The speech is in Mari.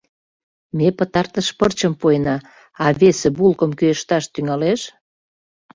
— Ме пытартыш пырчым пуэна, а весе булкым кӱэшташ тӱҥалеш?